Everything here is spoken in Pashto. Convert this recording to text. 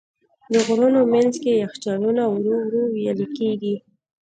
د غرونو منځ کې یخچالونه ورو ورو وېلې کېږي.